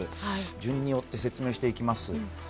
順を追って説明していきます。